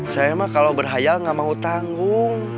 saya mah kalau berhayal gak mau tanggung